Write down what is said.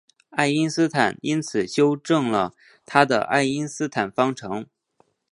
爱因斯坦因此修正了他的爱因斯坦方程。